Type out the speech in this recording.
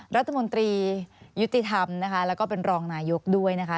รัฐมนตรียุติธรรมนะคะแล้วก็เป็นรองนายกด้วยนะคะ